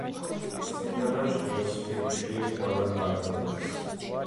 სიმღერა ჟღერს ფილმში „ყველა კარგად არის“.